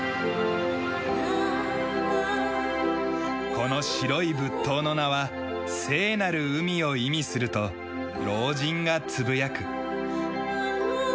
この白い仏塔の名は聖なる海を意味すると老人がつぶやく。